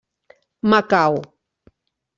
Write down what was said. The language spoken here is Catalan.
Macau.